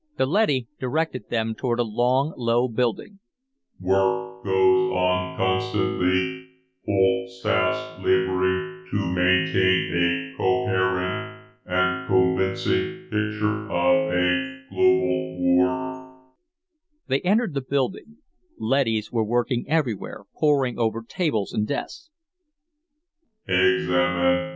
The leady directed them toward a long, low building. "Work goes on constantly, whole staffs laboring to maintain a coherent and convincing picture of a global war." They entered the building. Leadys were working everywhere, poring over tables and desks.